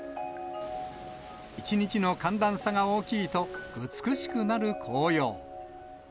一日の寒暖差が大きいと美しくなる紅葉。